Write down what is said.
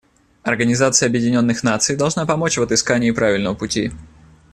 Организация Объединенных Наций должна помочь в отыскании правильного пути.